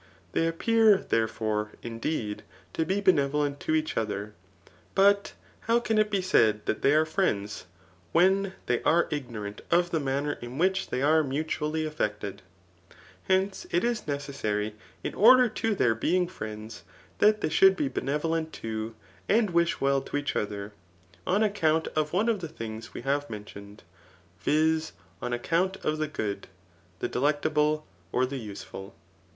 They appear, therefore, indeed, to be benevolent to each other ; but how can it be said that they are friends, when they are ignorant of the manner in which they are mutually sheeted ? Hence, it is necessary, in order to their being friends, that they should be benevolent to, and wish well to each other, on account of one of the things we have mentioned, [viz. on account pf the good, the delectable, or the useful.